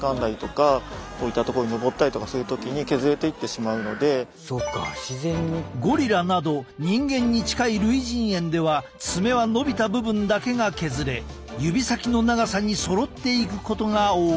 そう人間で推奨されるゴリラなど人間に近い類人猿では爪は伸びた部分だけが削れ指先の長さにそろっていくことが多い。